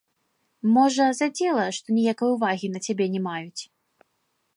Можа, задзела, што ніякай увагі на цябе не маюць?